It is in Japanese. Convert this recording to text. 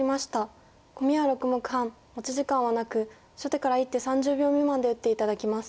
コミは６目半持ち時間はなく初手から１手３０秒未満で打って頂きます。